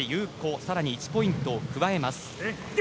更に１ポイントを加えます。